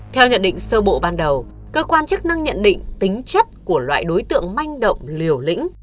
theo nhận định sơ bộ ban đầu cơ quan chức năng nhận định tính chất của loại đối tượng manh động liều lĩnh